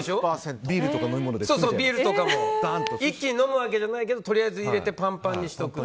ビールとかも一気に飲むわけじゃないけどとりあえず入れてパンパンにしておく。